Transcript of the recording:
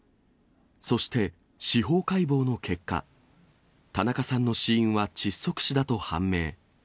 そして、司法解剖の結果、田中さんの死因は窒息死だと判明。